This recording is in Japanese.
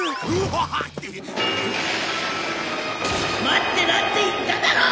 待ってなって言っただろ！